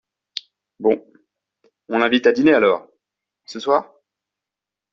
Bon. On l’invite à dîner alors. Ce soir?